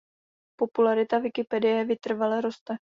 Popularita Wikipedie vytrvale roste.